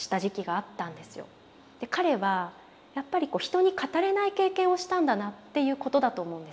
彼はやっぱり人に語れない経験をしたんだなっていうことだと思うんです。